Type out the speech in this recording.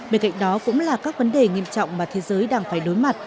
bên cạnh đó cũng là các vấn đề nghiêm trọng mà thế giới đang phải đối mặt